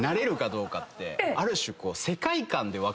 ある種。